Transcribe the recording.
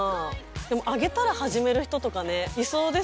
でもあげたら始める人とかいそうですよね。